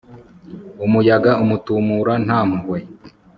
umuyaga umutumura nta mpuhwe